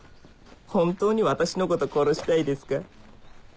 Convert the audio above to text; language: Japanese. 本当に私のこと殺したいですか？